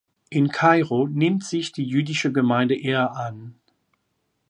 In Kairo nimmt sich die jüdische Gemeinde ihrer an.